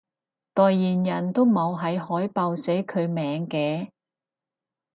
代言人都冇喺海報寫佢名嘅？